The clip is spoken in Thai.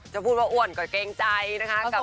พูดว่าอ้วนก็เกรงใจนะคะ